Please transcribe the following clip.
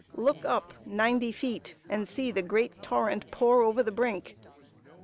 Look up ninety feet, and see the great torrent pour over the brink.